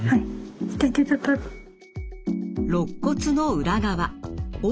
ろっ骨の裏側横